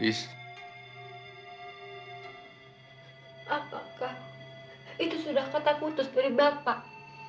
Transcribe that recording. apakah itu sudah kata putus dari bapak